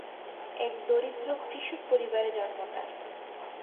এক দরিদ্র কৃষক পরিবারে জন্ম তার।